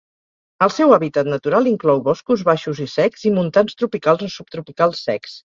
El seu hàbitat natural inclou boscos baixos i secs i montans tropicals o subtropicals secs.